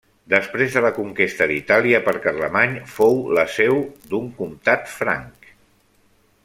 Després de la conquesta d'Itàlia per Carlemany fou la seu d'un comtat franc.